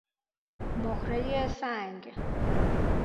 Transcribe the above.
مهره سنگ